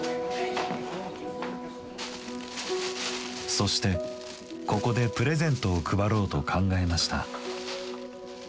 そしてここでプレゼントを配ろうと考えました。